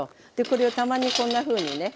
これをたまにこんなふうにね